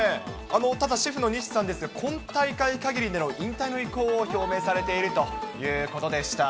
ただシェフの西さんですが、今大会かぎりでの引退の意向を表明されているということでした。